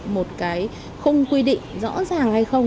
một không quy định rõ ràng hay không